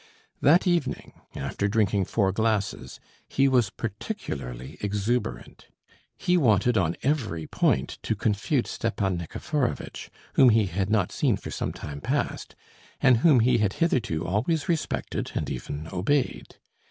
That evening, after drinking four glasses, he was particularly exuberant. He wanted on every point to confute Stepan Nikiforovitch, whom he had not seen for some time past, and whom he had hitherto always respected and even obeyed.